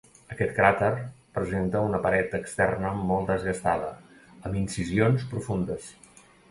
Aquest cràter presenta una paret externa molt desgastada, amb incisions profundes.